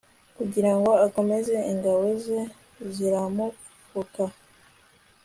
kugirango akomeze ingabo ze ziramupfuka